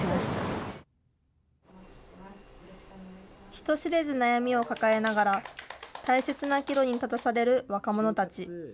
人知れず悩みを抱えながら、大切な岐路に立たされる若者たち。